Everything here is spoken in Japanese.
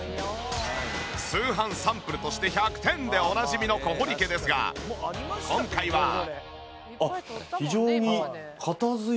通販サンプルとして１００点でおなじみの小堀家ですが今回は。あっ非常に片付いてる感じありますね。